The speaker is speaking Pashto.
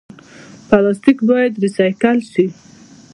پلاستیک باید ریسایکل شي